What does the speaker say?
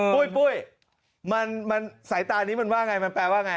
เป้าหมดปุ๊ยมันมันสายตานี้มันว่าไงมันแปลว่าไง